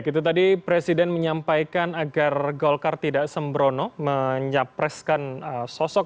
itu tadi presiden menyampaikan agar golkar tidak sembrono menyapreskan sosok